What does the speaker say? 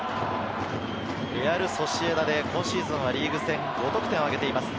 レアル・ソシエダで今シーズンはリーグ戦、５得点をあげています。